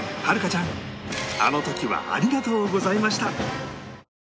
遥佳ちゃんあの時はありがとうございました！